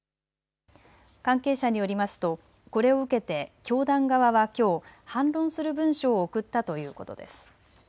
関係者によりますとこれを受けて教団側はきょう反論する文書を送ったということです。